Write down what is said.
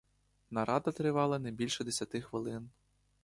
Нарада тривала не більше десяти хвилин.